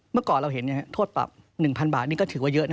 เมื่อก่อนเราเห็นโทษปรับ๑๐๐บาทนี่ก็ถือว่าเยอะ